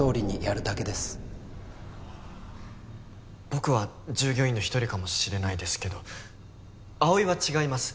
僕は従業員の一人かもしれないですけど葵は違います。